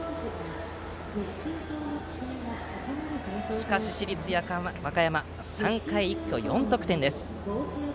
しかし、市立和歌山３回に一挙４得点です。